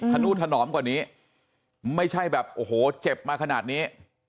ธนุถนอมกว่านี้ไม่ใช่แบบโอ้โหเจ็บมาขนาดนี้